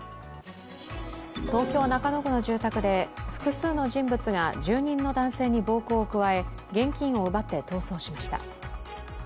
東京・中野区の住宅で複数の人物が住人の男性に暴行を加え現金を奪って逃走しました。